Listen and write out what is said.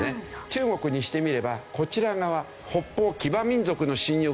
中国にしてみればこちら側。